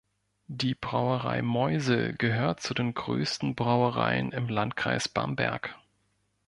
Die Brauerei Meusel gehört zu den größten Brauereien im Landkreis Bamberg.